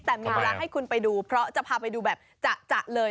แต่มีเวลาให้คุณไปดูเพราะจะพาไปดูแบบจะเลย